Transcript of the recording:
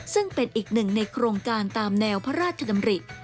ซึ่งเป็นอีกหนึ่งในโครงการตามแนวพระราชดำริ